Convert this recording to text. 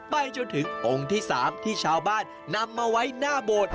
ไปจนถึงองค์ที่๓ที่ชาวบ้านนำมาไว้หน้าโบสถ์